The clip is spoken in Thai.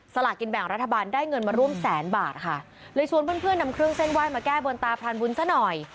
สลากินแบ่งรัฐบาลได้เงินมาร่วมแสนบาทค่ะเลยชวนเพื่อนเพื่อนนำเครื่องเส้นไหว้มาแก้บนตาพรานบุญซะหน่อย